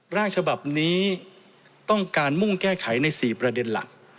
ร่างฉบับนี้ต้องการมุ่งแก้ไขใน๔ประเด็นหลัก